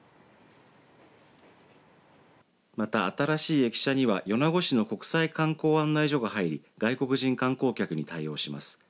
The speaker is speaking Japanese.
また、新しい駅舎には米子市の国際観光案内所が入り外国人観光客に対応します。